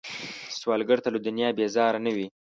سوالګر له دنیا بیزاره نه وي